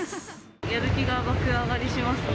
やる気が爆上がりしますね。